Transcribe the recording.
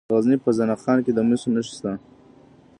د غزني په زنه خان کې د مسو نښې شته.